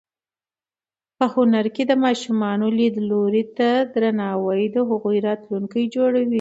په هنر کې د ماشومانو لیدلوري ته درناوی د هغوی راتلونکی جوړوي.